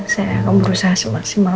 saya akan berusaha semaksimal